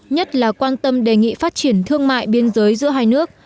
nhất là quan tâm đề nghị phát triển thương mại biên giới giữa hai nước